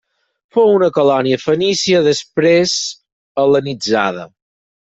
Fou una colònia fenícia després hel·lenitzada.